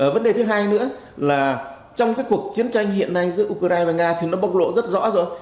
vấn đề thứ hai nữa là trong cái cuộc chiến tranh hiện nay giữa ukraine và nga thì nó bộc lộ rất rõ rồi